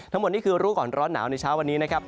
ทั้งหมดนี่คือรู้ก่อนร้อนหนาวในเช้าวันนี้นะครับ